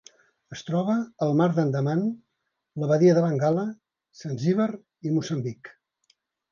Es troba al Mar d'Andaman, la Badia de Bengala, Zanzíbar i Moçambic.